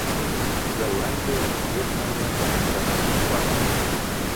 Голландия известна мне, как страна тюльпанов.